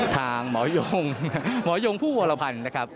ทางหมอยงหมอยงผู้วรพันธ์นะครับ